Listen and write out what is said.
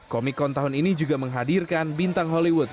comicron tahun ini juga menghadirkan bintang hollywood